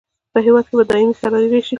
په هیواد کې به دایمي کراري راشي.